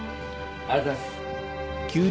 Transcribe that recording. ありがとうございます。